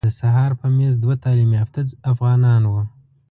د سهار په میز دوه تعلیم یافته افغانان وو.